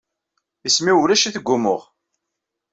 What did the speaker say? Isem-inu ulac-it deg wumuɣ.